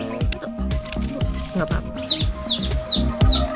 tapi tidak terlalu terlalu tepat